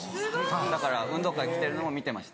だから運動会来てるのも見てました。